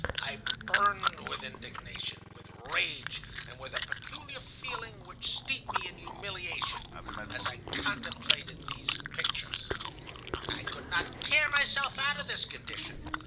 I burned with indignation, with rage, and with a peculiar feeling which steeped me in humiliation, as I contemplated these pictures. And I could not tear myself out of this condition.